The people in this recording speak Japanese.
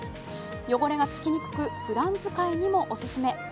汚れがつきにくく、ふだん使いにもおすすめ。